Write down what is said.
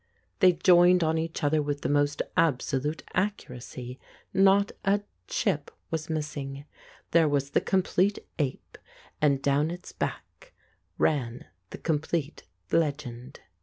They joined on to each other with the most absolute accuracy, not a chip was missing. There was the complete ape, and down its back ran the complete legend.